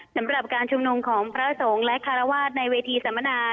สำหรับการชุมนุมของพระสงฆ์และคารวาสในเวทีสัมมนา